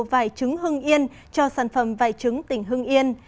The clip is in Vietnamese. vải trứng hưng yên cho sản phẩm vải trứng tỉnh hưng yên